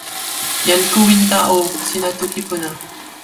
jan Kowinta o, sina toki pona.